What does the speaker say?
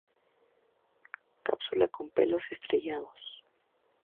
Cápsula con pelos estrellados.